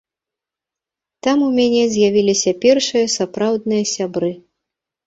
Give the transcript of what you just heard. Там у мяне з'явіліся першыя сапраўдныя сябры.